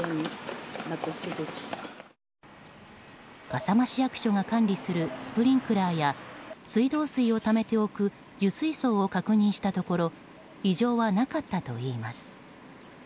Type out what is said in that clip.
笠間市役所が管理するスプリンクラーや水道水をためておく受水槽を確認したところ異常はなかったといいます。